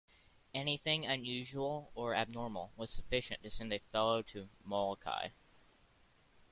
Anything unusual or abnormal was sufficient to send a fellow to Molokai.